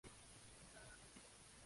Su localidad tipo es Bogotá, en Colombia.